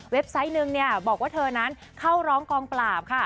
เว็บไซต์บอกว่าเธอนั้นเข้าร้องกองปราบ